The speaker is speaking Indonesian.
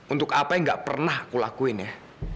untuk apa yang gak pernah aku lakuin ya